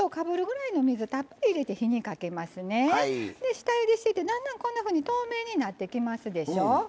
下ゆでしててだんだんこんなふうに透明になってきますでしょ。